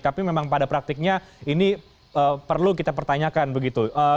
tapi memang pada praktiknya ini perlu kita pertanyakan begitu